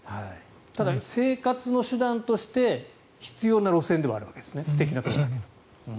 ただ、生活の手段として必要な路線ではあるわけですね。